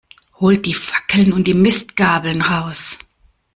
Holt die Fackeln und Mistgabeln raus!